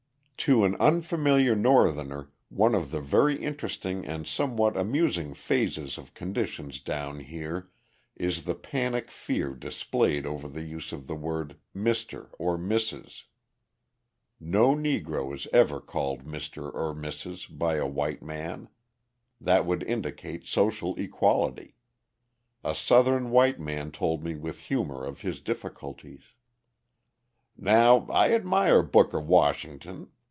To an unfamiliar Northerner one of the very interesting and somewhat amusing phases of conditions down here is the panic fear displayed over the use of the word "Mr." or "Mrs." No Negro is ever called Mr. or Mrs. by a white man; that would indicate social equality. A Southern white man told me with humour of his difficulties: "Now I admire Booker Washington.